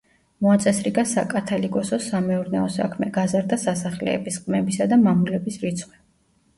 მოაწესრიგა საკათალიკოსოს სამეურნეო საქმე, გაზარდა სასახლეების, ყმებისა და მამულების რიცხვი.